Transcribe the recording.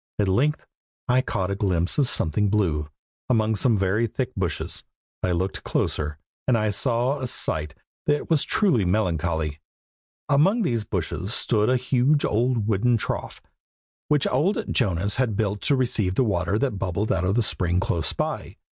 At length I caught a glimpse of something blue, among some very thick bushes. I looked closer, and saw a sight that was truly melancholy. Among these bushes stood a huge old wooden trough, which old Jonas had built to receive the water that bubbled out of a spring close by.